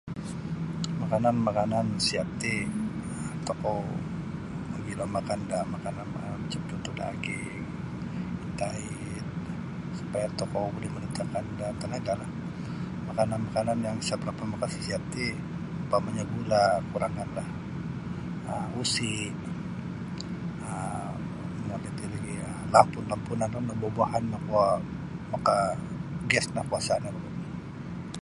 Makanan-makanan siat ti tokou mogilo makan da makanan macam cuntuh daging intaid supaya tokou boleh mendatangkan da tanaga. Makanan-makanan yang isa makasisiat ti umpamanyo gula kuranganlah um usi um nunu iti lagi' lampun-lampunan rono buah-buahan kuo makagas no kuasa' nio gulu'.